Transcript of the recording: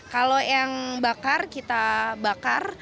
kalau yang bakar kita bakar